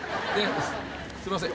すいません。